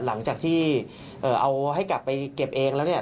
หลังจากที่เอาให้กลับไปเก็บเองแล้วเนี่ย